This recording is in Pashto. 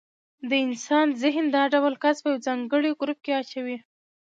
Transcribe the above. د انسان ذهن دا ډول کس په یو ځانګړي ګروپ کې اچوي.